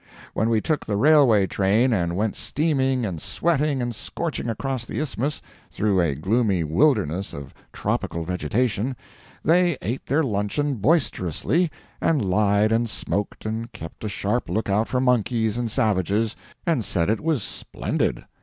When we took the railway train and went steaming and sweating and scorching across the isthmus, through a gloomy wilderness of tropical vegetation, they ate their luncheon boisterously and lied and smoked and kept a sharp lookout for monkeys and savages, and said it was splendid.